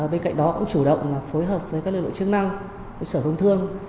bên cạnh đó cũng chủ động phối hợp với các lưu lượng chứng năng sở thông thương